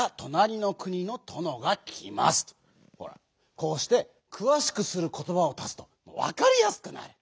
ほらこうして「くわしくすることば」を足すとわかりやすくなる！